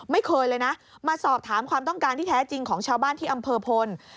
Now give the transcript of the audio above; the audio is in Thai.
ไม่เคยเลยนะมาสอบถามความต้องการที่แท้จริงของชาวบ้านที่อำเภอพล